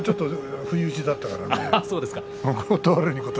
不意打ちだったからね。